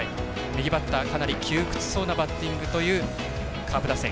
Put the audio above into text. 右バッター、かなり窮屈そうなバッティングというカープ打線。